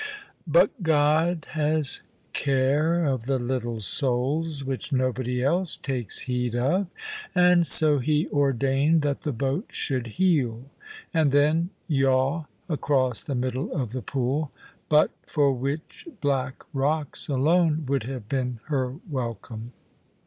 But God has care of the little souls which nobody else takes heed of; and so He ordained that the boat should heel, and then yaw across the middle of the pool; but for which black rocks alone would have been her welcome.